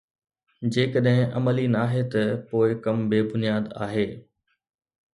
جيڪڏهن عملي ناهي ته پوءِ ڪم بي بنياد آهي